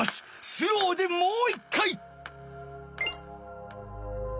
スローでもう一回。